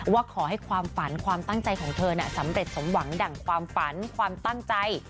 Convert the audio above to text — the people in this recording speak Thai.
ว่าขอให้ความฝันความตั้งใจของเธอสำเร็จสมหวังดั่งความฝันความตั้งใจ